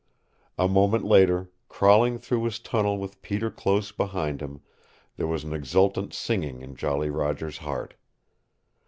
A moment later, crawling through his tunnel with Peter close behind him, there was an exultant singing in Jolly Roger's heart.